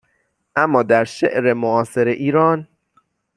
اما در شعر معاصر ایران